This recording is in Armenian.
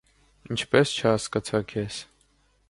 Ինչպե՞ս չհասկացա քեզ: